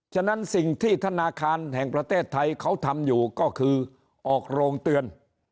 ฉะนั้นสิ่งที่ธนาคารแห่งประเทศไทยเขาทำอยู่ก็คือออกโรงเตือน